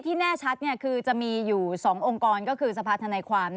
ที่แน่ชัดเนี่ยคือจะมีอยู่สององค์กรก็คือสภาษณธนาความ